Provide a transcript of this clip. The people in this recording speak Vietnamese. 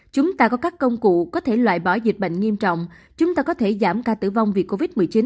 chúng ta có các công cụ có thể loại bỏ dịch bệnh nghiêm trọng chúng ta có thể giảm ca tử vong vì covid một mươi chín